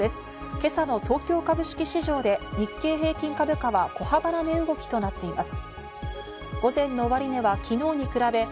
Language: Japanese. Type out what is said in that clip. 今朝の東京株式市場で小幅な値動きとなっています。